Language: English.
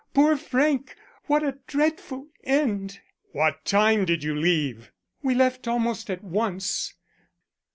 Poor Frank! What a dreadful end." "What time did you leave?" "We left almost at once.